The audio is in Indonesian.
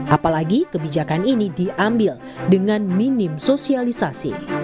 apalagi kebijakan ini diambil dengan minim sosialisasi